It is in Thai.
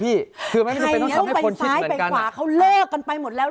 พี่เพื่อการรักกันไปหมดแล้ว